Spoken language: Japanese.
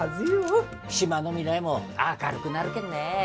島の未来も明るくなるけんね。